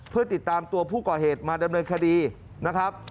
เพื่อติดตามตัวผู้ก่อเหตุมาดำเนินคดีนะครับ